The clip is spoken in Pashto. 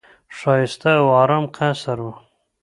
ښایسته او آرام قصر وو.